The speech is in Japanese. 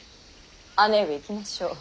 姉上行きましょう。